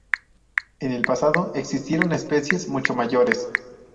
En el pasado existieron especies mucho mayores.